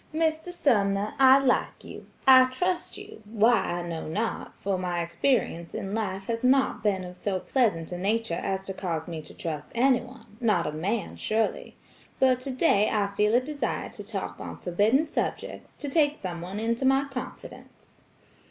"Mr. Sumner, I like you; I trust you; why I know not, for my experience in life has not been of so pleasant a nature as to cause me to trust anyone; not a man, surely. But today I feel a desire to talk on forbidden subjects, to take someone into my confidence.